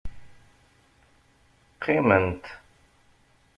Qqiment.